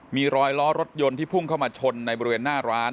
มีรอยล้อรถยนต์ที่พุ่งเข้ามาชนในบริเวณหน้าร้าน